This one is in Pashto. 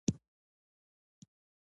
او په تنور یې ډوډۍ او کلچې پخولې.